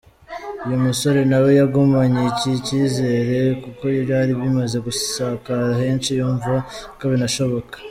Uyu musore nawe yagumanye iki cyizere kuko byari bimaze gusakara henshi yumva ko binashoboka.